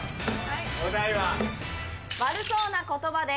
お題は？